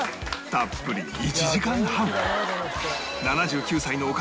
たっぷり１時間半